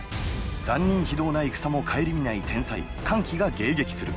残忍非道な戦も顧みない天才・桓騎が迎撃する。